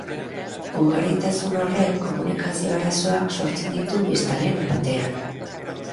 Ugaritasun horrek komunikazio arazoak sortzen ditu biztanleen artean.